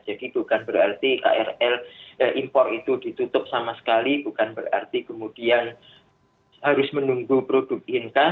jadi bukan berarti krl impor itu ditutup sama sekali bukan berarti kemudian harus menunggu produk inka